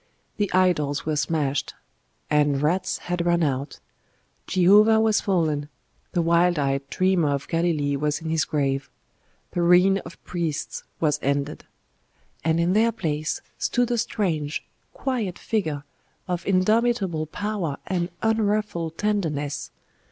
The idols were smashed, and rats had run out; Jehovah was fallen; the wild eyed dreamer of Galilee was in his grave; the reign of priests was ended. And in their place stood a strange, quiet figure of indomitable power and unruffled tenderness....